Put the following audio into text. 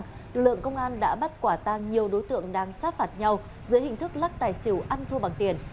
lực lượng công an đã bắt quả tang nhiều đối tượng đang sát phạt nhau dưới hình thức lắc tài xỉu ăn thua bằng tiền